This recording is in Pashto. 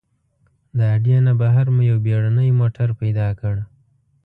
د اډې نه بهر مو یو بېړنی موټر پیدا کړ.